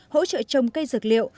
hỗ trợ trồng cây dược liệu